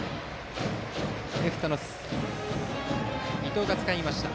レフトの伊藤がつかみました。